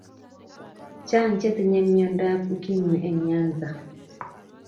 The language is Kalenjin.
Chan che tindo mwonda ukimu en nyanza